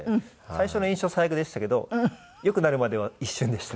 最初の印象最悪でしたけど良くなるまでは一瞬でした。